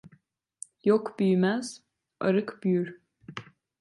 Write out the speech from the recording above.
Yok büyümez, arık büyür.